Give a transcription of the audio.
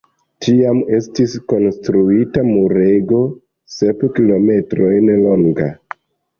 Tiam estis konstruita murego sep kilometrojn longa.